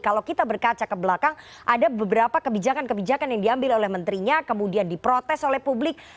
kalau kita berkaca ke belakang ada beberapa kebijakan kebijakan yang diambil oleh menterinya kemudian diprotes oleh publik